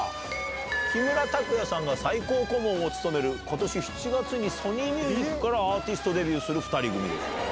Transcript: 木村拓哉さんが最高顧問を務める、ことし７月にソニーミュージックからアーティストデビューする２人組です。